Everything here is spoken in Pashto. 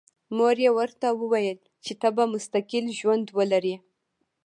مور یې ورته وویل چې ته به مستقل ژوند ولرې